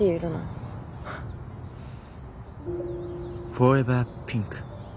フォーエバーピンク。